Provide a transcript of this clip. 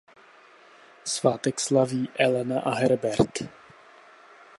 Svátek slaví Elena a Herbert.